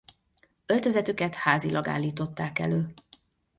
Öltözetüket házilag állították elő.